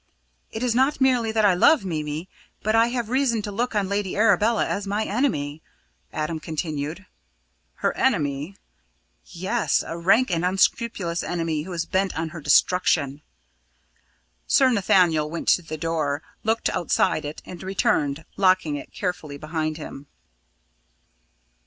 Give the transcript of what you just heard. "It is not merely that I love Mimi, but I have reason to look on Lady Arabella as her enemy," Adam continued. "Her enemy?" "Yes. A rank and unscrupulous enemy who is bent on her destruction." Sir Nathaniel went to the door, looked outside it and returned, locking it carefully behind him.